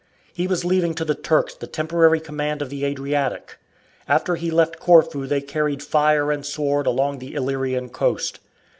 He was leaving to the Turks the temporary command of the Adriatic. After he left Corfu they carried fire and sword along the Illyrian coast.